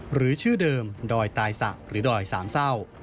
หรือชื่อเดิมดอยตายสะหรือดอยสามเศร้า